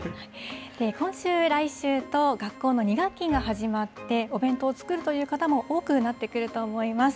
今週、来週と学校の２学期が始まって、お弁当を作るという方も多くなってくると思います。